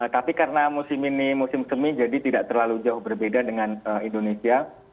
tapi karena musim ini musim semi jadi tidak terlalu jauh berbeda dengan indonesia